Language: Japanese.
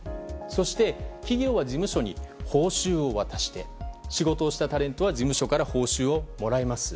そして企業は事務所に報酬を渡して仕事をしたタレントは事務所から報酬をもらいます。